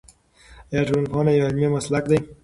آیا ټولنپوهنه یو علمي مسلک دی؟